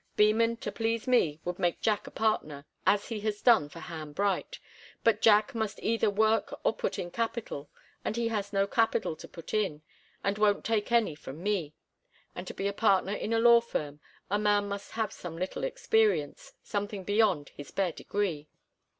Beman, to please me, would make Jack a partner, as he has done for Ham Bright. But Jack must either work or put in capital, and he has no capital to put in, and won't take any from me. And to be a partner in a law firm, a man must have some little experience something beyond his bare degree.